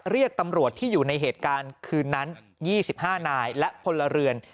เรียกตำรวจที่อยู่ในเหตุการณ์คืนนั้น๒๕นายและพลเรือน